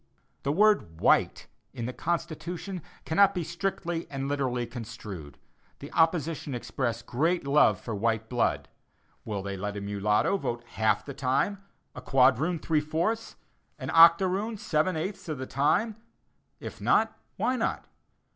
The word "white" in the Constitution cannot be strictly and literally construed. The opposition express great love for white blood. Will they let a mulatto vote half the time, a quadroon three fourths, and an octoroon seven eighths of the time? If not, why not?